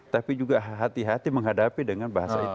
tapi juga hati hati menghadapi dengan bahasa itu